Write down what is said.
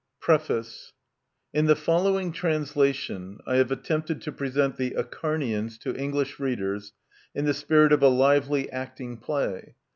PREFACE •o* In the following translation I have attempted to present " The Acharnians " to English readers in the spirit of a lively acting play.